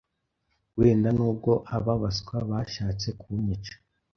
wenda n’ubwo aba baswa bashatse kunyica